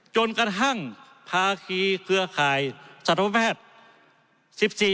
จนกระทั่งภาคีเกลือข่ายศาสตร์ภาพแพทย์